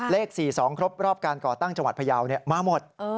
เลข๔๒ครบรอบการก่อตั้งจังหวัดพยาวมาหมด